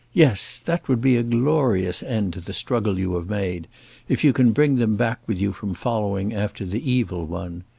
Yes! That would be a glorious end to the struggle you have made, if you can bring them back with you from following after the Evil One!